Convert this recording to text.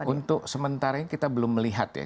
untuk sementara ini kita belum melihat ya